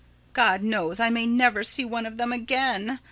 God knows I may never see one of them again.